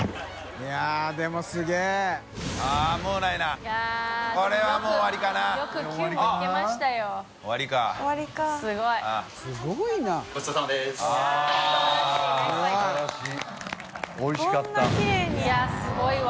戞いやすごいわ。